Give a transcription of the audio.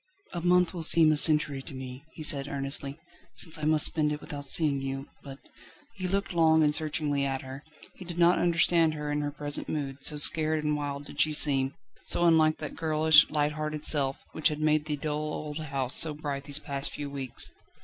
"A month will seem a century to me," he said earnestly, "since I must spend it without seeing you, but ..." He looked long and searchingly at her. He did not understand her in her present mood, so scared and wild did she seem, so unlike that girlish, light hearted self, which had made the dull old house so bright these past few weeks.